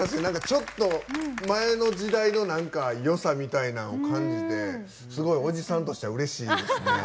ちょっと、前の時代のよさみたいなものを感じてすごいおじさんとしてはうれしいですね。